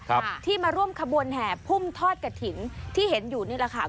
ครับที่มาร่วมขบวนแห่พุ่มทอดกระถิ่นที่เห็นอยู่นี่แหละค่ะ